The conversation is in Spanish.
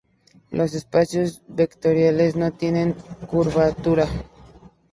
Los espacios vectoriales no tienen curvatura.